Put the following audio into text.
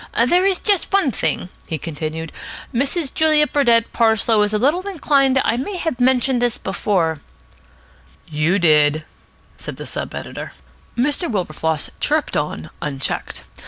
"There is just one thing," he continued "Mrs. Julia Burdett Parslow is a little inclined I may have mentioned this before " "You did," said the sub editor. Mr. Wilberfloss chirruped on, unchecked.